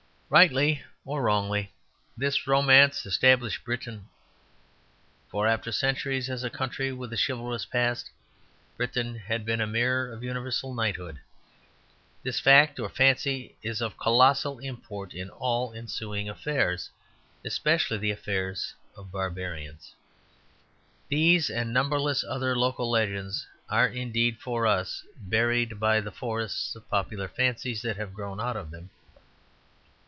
Rightly or wrongly, this romance established Britain for after centuries as a country with a chivalrous past. Britain had been a mirror of universal knighthood. This fact, or fancy, is of colossal import in all ensuing affairs, especially the affairs of barbarians. These and numberless other local legends are indeed for us buried by the forests of popular fancies that have grown out of them.